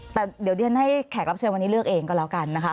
แต่เดี๋ยวดิฉันให้แขกรับเชิญวันนี้เลือกเองก็แล้วกันนะคะ